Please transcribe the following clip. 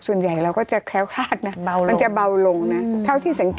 ส่วนใหญ่เราก็จะแคล้วคลาดนะมันจะเบาลงนะเท่าที่สังเกต